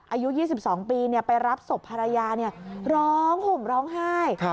อายุ๒๒ปีไปรับศพภรรยาร้องห่มร้องไห้